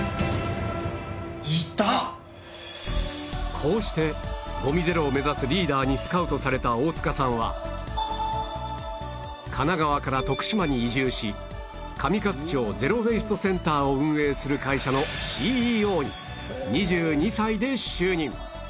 こうしてごみゼロを目指すリーダーにスカウトされた大塚さんは神奈川から徳島に移住し上勝町ゼロ・ウェイストセンターを運営する会社の ＣＥＯ に２２歳で就任